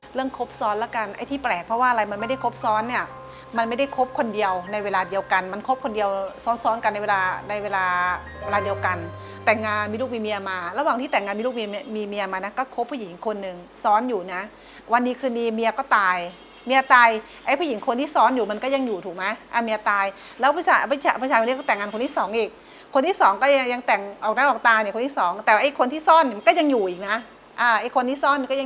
มีความรู้สึกว่ามีความรู้สึกว่ามีความรู้สึกว่ามีความรู้สึกว่ามีความรู้สึกว่ามีความรู้สึกว่ามีความรู้สึกว่ามีความรู้สึกว่ามีความรู้สึกว่ามีความรู้สึกว่ามีความรู้สึกว่ามีความรู้สึกว่ามีความรู้สึกว่ามีความรู้สึกว่ามีความรู้สึกว่ามีความรู้สึกว่า